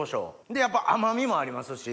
やっぱ甘みもありますし。